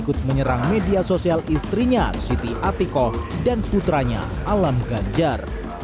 ikut menyerang media sosial istrinya siti atikoh dan putranya alam ganjar